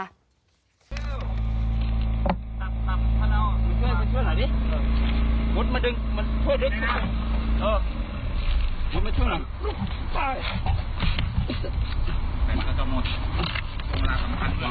อ่ะมันต้องระวังก็ระวังกัน